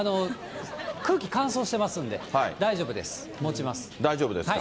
空気乾燥してますんで、大丈夫です、大丈夫ですか？